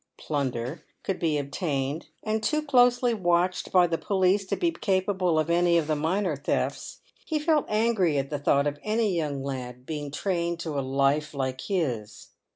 71 (plunder) could be obtained, and too closely watched by the police to be capable of any of the minor thefts, he felt angry at the thought of any young lad being trained to a life like his.